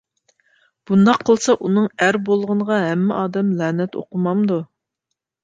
بۇنداق قىلسا ئۇنىڭ ئەر بولغىنىغا ھەممە ئادەم لەنەت ئوقۇمامدۇ؟